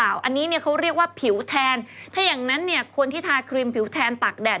อันนี้เนี่ยเขาเรียกว่าผิวแทนถ้าอย่างนั้นเนี่ยคนที่ทาครีมผิวแทนตากแดด